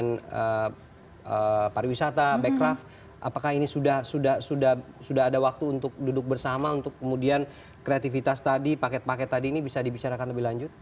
pada saat ini pemerintah yang sudah berhubungan dengan pariwisata backcraft apakah ini sudah ada waktu untuk duduk bersama untuk kemudian kreativitas tadi paket paket tadi ini bisa dibicarakan lebih lanjut